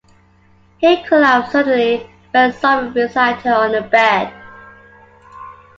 He collapsed suddenly, fell sobbing beside her on the bed.